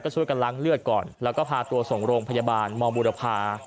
ช่วยกันล้างเลือดก่อนแล้วก็พาตัวส่งโรงพยาบาลมบุรพา